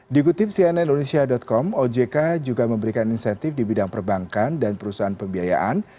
dikutip cnn indonesia com ojk juga memberikan insentif di bidang perbankan dan perusahaan pembiayaan